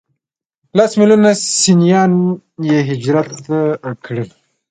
لس ملیونه سنیان یې هجرت ته اړ کړل.